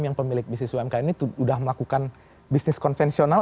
yang pemilik bisnis umkm ini sudah melakukan bisnis konvensional